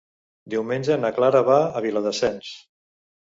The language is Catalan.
Diumenge na Clara va a Viladasens.